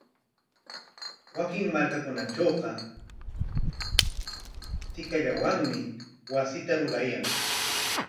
Wakin markakunatrawqa tikallawanmi wasita rurayan.